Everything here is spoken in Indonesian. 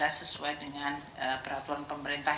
sesuai dengan peraturan pemerintah